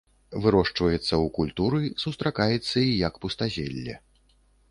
Вырошчваецца ў культуры, сустракаецца і як пустазелле.